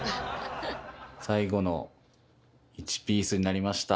最後の１ピースになりました。